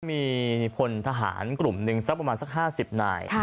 มีพลทหารกลุ่มหนึ่งสักประมาณสัก๕๐นาย